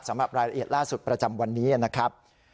สำหรับรายละเอียดล่าสุดประจำวันนี้นะครับ